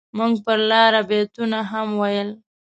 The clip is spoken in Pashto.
موږ پر لاره بيتونه هم ويل.